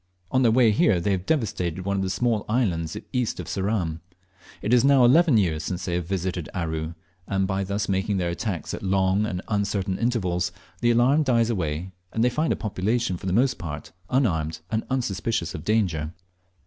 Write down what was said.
On their way here they have devastated one of the small islands east of Ceram. It is now eleven years since they have visited Aru, and by thus making their attacks at long and uncertain intervals the alarm dies away, and they find a population for the most part unarmed and unsuspicious of danger.